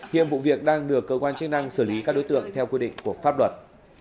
hiện vụ việc đang được cơ quan chức năng xử lý các đối tượng theo quy định của pháp luật